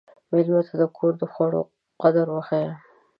مېلمه ته د کور د خوړو قدر وښیه.